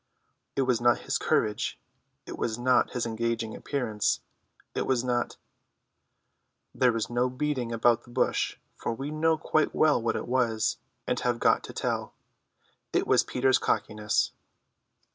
It was not his courage, it was not his engaging appearance, it was not—. There is no beating about the bush, for we know quite well what it was, and have got to tell. It was Peter's cockiness.